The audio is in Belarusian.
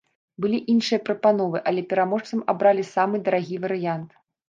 Былі іншыя прапановы, але пераможцам абралі самы дарагі варыянт.